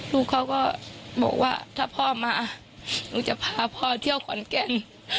ลูกเขาก็บอกว่าถ้าพ่อมาหนูจะพาพ่อเที่ยวขอนแก่น